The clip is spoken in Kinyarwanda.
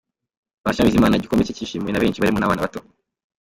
Patient Bizimana igikombe cye kishimiwe na benshi barimo n'abana bato.